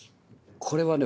これはね